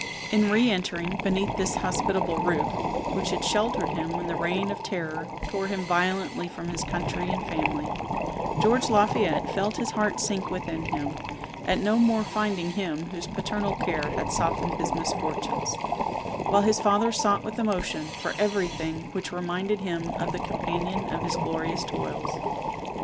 In re entering beneath this hospitable roof, which had sheltered him when the reign of terror tore him violently from his country and family, George Lafayette felt his heart sink within him, at no more finding him whose paternal care had softened his misfortunes; while his father sought with emotion for every thing which reminded him of the companion of his glorious toils.